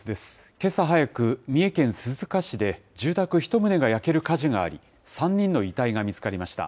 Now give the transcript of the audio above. けさ早く、三重県鈴鹿市で、住宅１棟が焼ける火事があり、３人の遺体が見つかりました。